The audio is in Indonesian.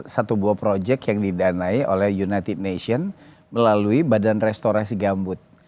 satu buah proyek yang didanai oleh united nation melalui badan restorasi gambut